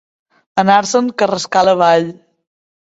Anar-se'n Carrascal avall.